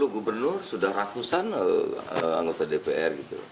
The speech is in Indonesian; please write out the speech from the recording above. dua puluh gubernur sudah ratusan anggota dpr